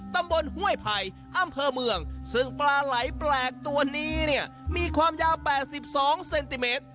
ห้วยไผ่อำเภอเมืองซึ่งปลาไหลแปลกตัวนี้เนี่ยมีความยาว๘๒เซนติเมตร